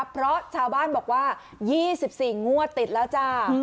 เพราะชาวบ้านบอกว่า๒๔งวดติดแล้วจ้า